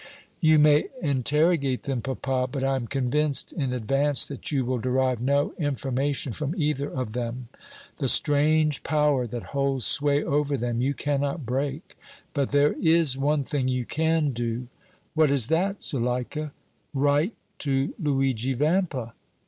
"You may interrogate them, papa, but I am convinced in advance that you will derive no information from either of them. The strange power that holds sway over them you cannot break, but there is one thing you can do." "What is that, Zuleika?" "Write to Luigi Vampa!"